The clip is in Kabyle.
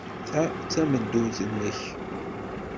Ta d tameddurt-nnek.